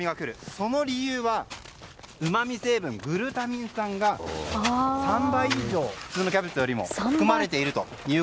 その理由は、うまみ成分グルタミン酸が３倍以上普通のキャベツよりも含まれていると。